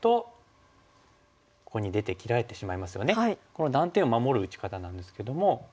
この断点を守る打ち方なんですけども。